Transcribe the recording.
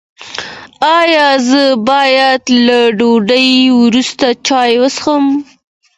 ایا زه باید له ډوډۍ وروسته چای وڅښم؟